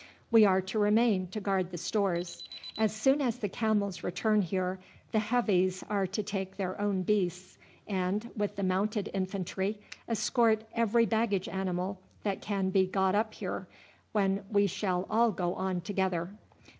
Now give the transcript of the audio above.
We are to remain to guard the stores. As soon as the camels return here, the Heavies are to take their own beasts, and, with the Mounted Infantry, escort every baggage animal that can be got up here, when we shall all go on together.